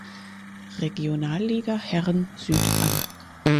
Regionalliga Herren Süd an.